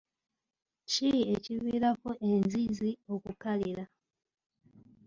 Ki ekiviirako enzizi okukalira?